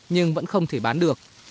nhưng vẫn không thể bán được